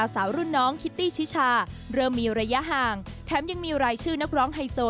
สาวรุ่นน้องคิตตี้ชิชาเริ่มมีระยะห่างแถมยังมีรายชื่อนักร้องไฮโซ